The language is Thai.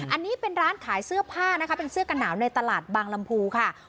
อันนี้เป็นร้านขายเสื้อผ้านะคะเป็นเสื้อกันหนาวในตลาดบางลำพูค่ะ